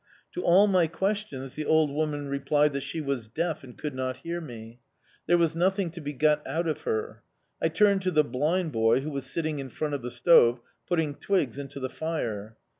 To all my questions the old woman replied that she was deaf and could not hear me. There was nothing to be got out of her. I turned to the blind boy who was sitting in front of the stove, putting twigs into the fire.